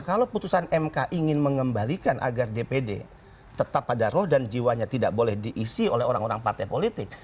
kalau putusan mk ingin mengembalikan agar dpd tetap pada roh dan jiwanya tidak boleh diisi oleh orang orang partai politik